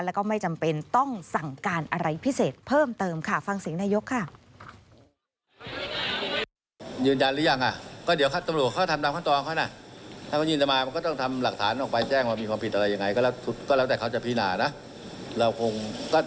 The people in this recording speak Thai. แล้วก็ไม่จำเป็นต้องสั่งการอะไรพิเศษเพิ่มเติมค่ะ